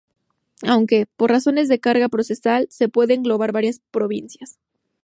Aunque, por razones de carga procesal, se puede englobar varias provincias.